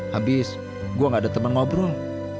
habis gue gak ada teman ngobrol